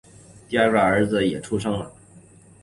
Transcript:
第二个儿子也出生了